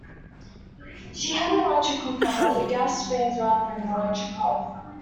She had an electric cooker, but with gas rings rather than an electric hob